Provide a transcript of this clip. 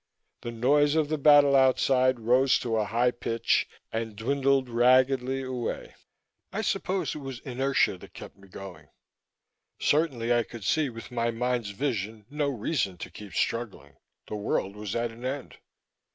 The noise of the battle outside rose to a high pitch and dwindled raggedly away. I suppose it was inertia that kept me going certainly I could see with my mind's vision no reason to keep struggling. The world was at an end.